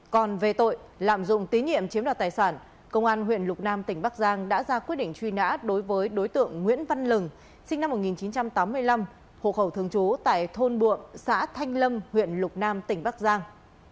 còn về tội lạm dụng tín nhiệm chiếm đoạt tài sản công an huyện lục nam tỉnh bắc giang đã ra quyết định truy nã đối với đối tượng nguyễn văn lừng sinh năm một nghìn chín trăm tám mươi năm hộ khẩu thường trú tại thôn buộm xã thanh lâm huyện lục nam tỉnh bắc giang